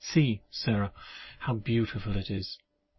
—See, Sarah, how beautiful it is!